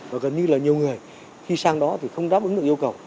và gần như là nhiều người khi sang đó thì không đáp ứng được yêu cầu